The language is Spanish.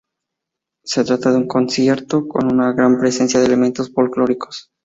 Se trata de un concierto con una gran presencia de elementos folclóricos.